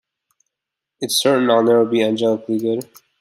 It’s certain I’ll never be angelically good.